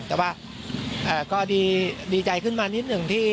แต่ว่าก็ดีใจขึ้นมานิดหนึ่งที่